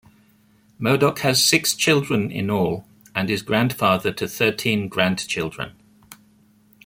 Murdoch has six children in all, and is grandfather to thirteen grandchildren.